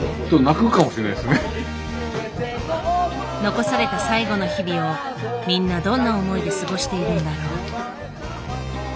残された最後の日々をみんなどんな思いで過ごしているんだろう？